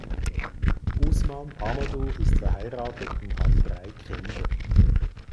Ousmane Amadou ist verheiratet und hat drei Kinder.